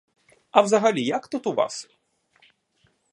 А взагалі, як тут у вас?